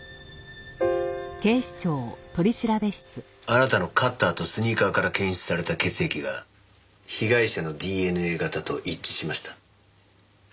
あなたのカッターとスニーカーから検出された血液が被害者のＤＮＡ型と一致しました。